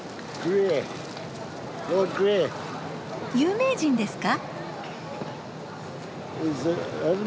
有名人ですか？